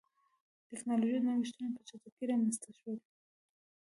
ټکنالوژیکي نوښتونه په چټکۍ رامنځته شول.